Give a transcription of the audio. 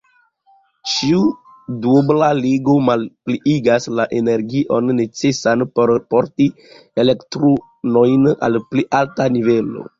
Ĉiu duobla ligo malpliigas la energion necesan por porti elektronojn al pli alta nivelo.